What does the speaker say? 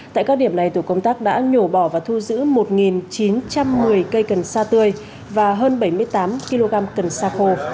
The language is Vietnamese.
tại các điểm này tổ công tác đã nhổ bỏ và thu giữ một chín trăm một mươi cây cần sa tươi và hơn bảy mươi tám kg cần sa khô